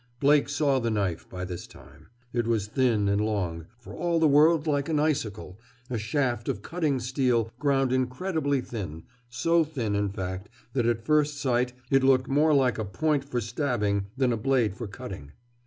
Blake saw the knife by this time. It was thin and long, for all the world like an icicle, a shaft of cutting steel ground incredibly thin, so thin, in fact, that at first sight it looked more like a point for stabbing than a blade for cutting.